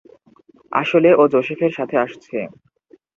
আসলে, ও জোসেফের সাথে আসছে।